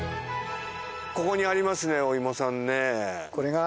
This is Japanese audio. ここにありますねお芋さんね。